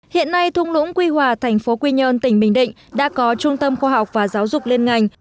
hiện nay thung lũng quy hòa thành phố quy nhơn tỉnh bình định đã có trung tâm khoa học và giáo dục liên ngành